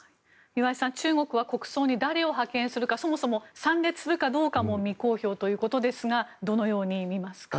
岩井さん、中国は国葬に誰を派遣するかそもそも参列するかどうかも未公表ということですがどのようにみますか？